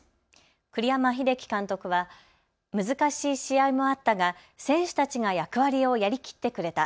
栗山英樹監督は難しい試合もあったが選手たちが役割をやりきってくれた。